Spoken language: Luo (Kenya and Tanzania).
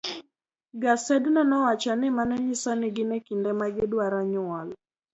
Gasedno nowacho ni mano nyiso ni gin e kinde ma gidwaro nyuol.